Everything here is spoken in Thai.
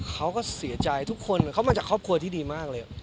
เขาก็เสียใจทุกคนเขามาจากครอบครัวที่ดีมากเลย